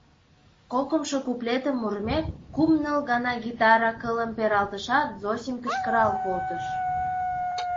Кокымшо куплетым мурымек, кум-ныл гана гитара кылым пералтышат, Зосим кычкырал колтыш.